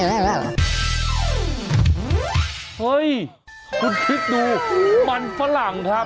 เฮ้ยคุณคิดดูมันฝรั่งครับ